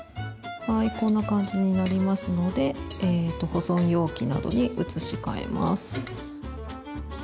はいこんな感じになりますので保存容器などに移し替えます。